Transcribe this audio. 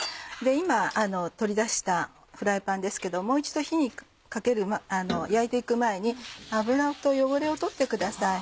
今取り出したフライパンですけどもう一度焼いて行く前に油と汚れを取ってください。